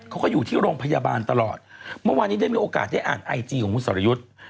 เขาก็อยู่ที่โรงพยาบาลตลอดเมื่อวานนี้ได้มีโอกาสได้อ่านไอจีของคุณสรยุทธ์